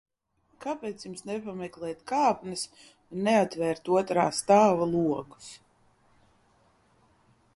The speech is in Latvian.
Kāpēc jums nepameklēt kāpnes un neatvērt otrā stāva logus?